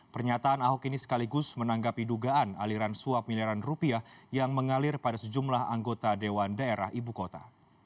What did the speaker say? pernyataan ahok ini sekaligus menanggapi dugaan aliran suap miliaran rupiah yang mengalir pada sejumlah anggota dewan daerah ibu kota